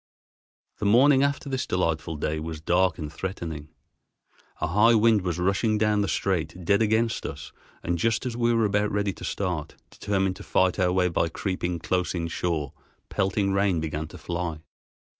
The morning after this delightful day was dark and threatening. A high wind was rushing down the strait dead against us, and just as we were about ready to start, determined to fight our way by creeping close inshore, pelting rain began to fly.